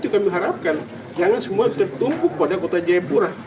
itu kami harapkan jangan semua tertumpu pada kota jayapura